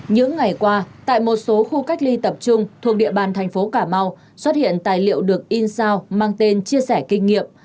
những ngày qua tại một số khu cách ly tập trung thuộc địa bàn thành phố cà mau xuất hiện tài liệu được in sao mang tên chia sẻ kinh nghiệm